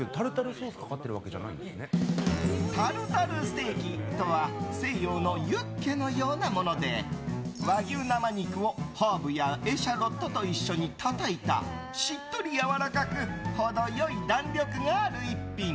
タルタルステーキとは西洋のユッケのようなもので和牛生肉を、ハーブやエシャロットと一緒にたたいたしっとりやわらかく程良い弾力がある逸品。